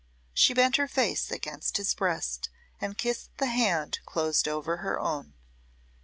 She bent her face against his breast and kissed the hand closed over her own.